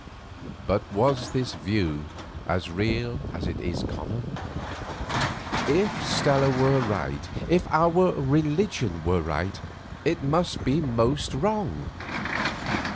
But was this view as real as it is common? If Stella were right, if our religion were right, it must be most wrong.